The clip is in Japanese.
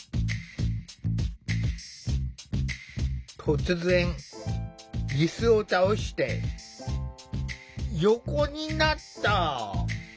突然いすを倒して横になった。